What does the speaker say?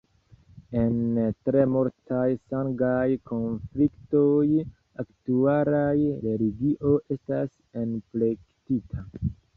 En tre multaj sangaj konfliktoj aktualaj religio estas enplektita.